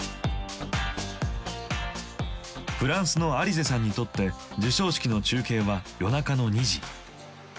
フランスのアリゼさんにとって授賞式の中継は夜中の２時。